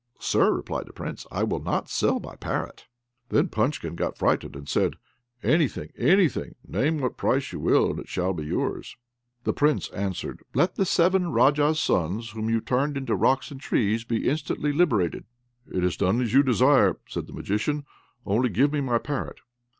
"Sir," replied the Prince, "I will not sell my parrot." Then Punchkin got frightened, and said, "Anything, anything; name what price you will, and it shall be yours." The Prince answered, "Let the seven Raja's sons whom you turned into rocks and trees be instantly liberated." "It is done as you desire," said the Magician, "only give me my parrot."